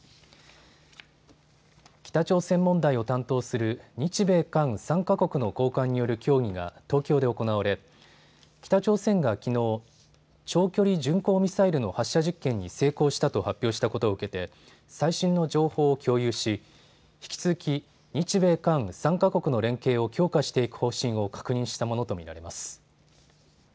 北朝鮮問題を担当する日米韓３か国の高官による協議が東京で行われ北朝鮮がきのう、長距離巡航ミサイルの発射実験に成功したと発表したことを受けて最新の情報を共有し引き続き日米韓３か国の連携を強化していく方針を確認したものと見られます。